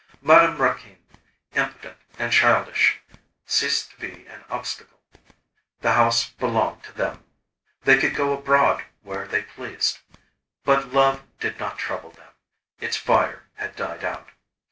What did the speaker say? Madame Raquin, impotent and childish, ceased to be an obstacle. The house belonged to them. They could go abroad where they pleased. But love did not trouble them, its fire had died out.